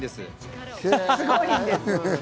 すごいんです。